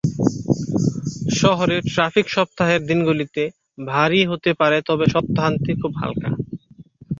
শহরে ট্র্যাফিক সপ্তাহের দিনগুলিতে ভারী হতে পারে তবে সপ্তাহান্তে খুব হালকা।